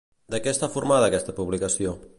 De què està formada aquesta publicació?